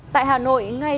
tại hà nội ngay